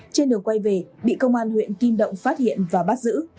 trên đường quay về bị công an huyện kim động phát hiện và bắt giữ